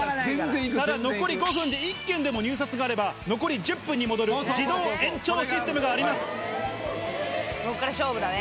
ただ残り５分で１件でも入札があれば、残り１０分に戻る、自動延ここから勝負だね。